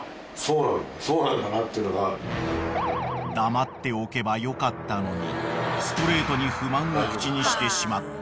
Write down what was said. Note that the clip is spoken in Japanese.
［黙っておけばよかったのにストレートに不満を口にしてしまった］